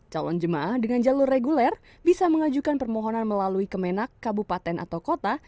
calon jemaah dengan jalur reguler bisa mengajukan permohonan melalui kemenak kabupaten atau kota